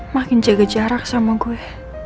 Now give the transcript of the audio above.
makin jaga jarak sama gue